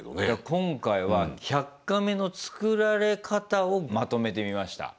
今回は「１００カメ」の作られ方をまとめてみました。